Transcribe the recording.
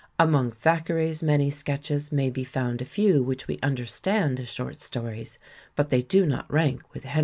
Among Thackeray's many sketches may be found a few which we understand as short sto ries, but theT do not rank with Hev.